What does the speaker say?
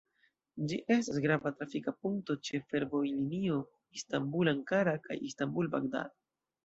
Ĝi estas grava trafika punkto ĉe fervojlinio Istanbul–Ankara kaj Istanbul–Bagdad.